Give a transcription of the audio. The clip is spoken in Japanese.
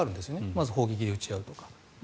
まず砲撃で撃ち合うとか。